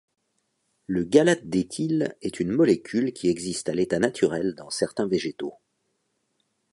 Le gallate d'éthyle est une molécule qui existe à l'état naturel dans certains végétaux.